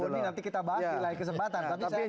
nanti kita bahas lagi kesempatan